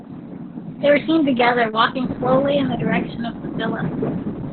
They were seen together, walking slowly in the direction of the villa.